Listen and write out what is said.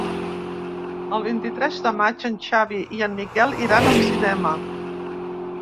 El vint-i-tres de maig en Xavi i en Miquel iran al cinema.